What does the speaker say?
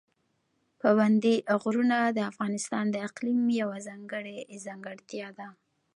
پابندي غرونه د افغانستان د اقلیم یوه ځانګړې ځانګړتیا ده.